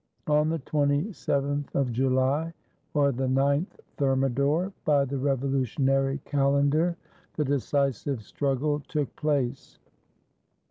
On the 27th of July, or the ninth Thermidor by the Revolutionary calendar, the decisive struggle took place.